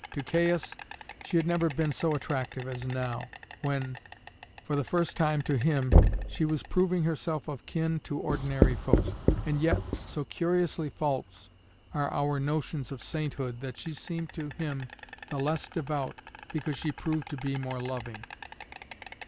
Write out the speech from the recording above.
To Caius she had never been so attractive as now, when, for the first time to him, she was proving herself of kin to ordinary folk; and yet, so curiously false are our notions of sainthood that she seemed to him the less devout because she proved to be more loving.